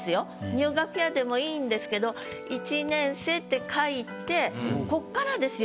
「入学や」でもいいんですけど「一年生」って書いてこっからですよ。